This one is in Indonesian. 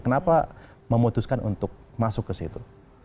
kenapa memutuskan untuk masuk ke situ